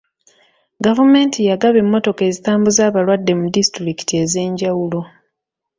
Gavumenti yagaba emmotoka ezitambuza abalwadde mu disitulikiti ez'enjawulo.